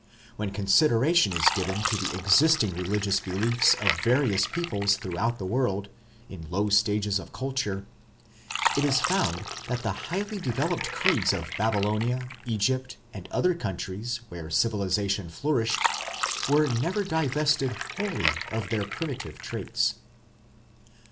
When consideration is given to the existing religious beliefs of various peoples throughout the world, in low stages of culture, it is found that the highly developed creeds of Babylonia, Egypt and other countries where civilization flourished were never divested wholly of their primitive traits.